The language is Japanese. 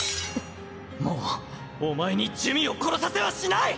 もうお前に珠魅を殺させはしない！